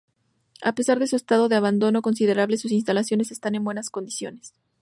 A pesar de su estado de abandono considerable, sus instalaciones están en buenas condiciones.